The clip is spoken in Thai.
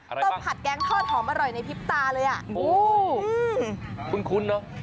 ต้มผัดแกงทอดหอมอร่อยในพริบตาเลยอ่ะโอ้โหคุ้นเนอะ